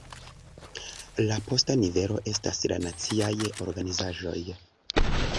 La posta nivelo estas la naciaj organizaĵoj.